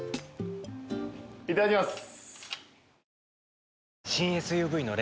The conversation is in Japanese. いただきます。